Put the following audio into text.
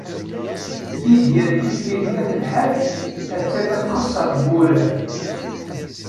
Lidya n Tifrit n At Lḥaǧ attan la txeṣṣer deg wurar.